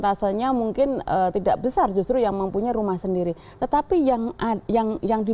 jadi kita harus mengatakan bahwa keadaan rumah ini selalu tidak harus menjadi hak milik